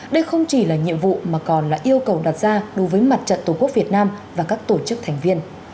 đây không chỉ là nhiệm vụ mà còn là yêu cầu đặt ra đối với mặt trận tổ quốc việt nam và các tổ chức thành viên